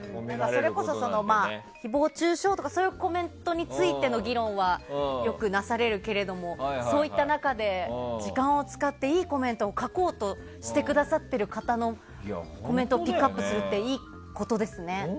それこそ誹謗中傷とかの議論はよく、なされるけれどもそういった中で時間を使っていいコメントを書こうとしてくださっている方のコメントをピックアップするっていいことですね。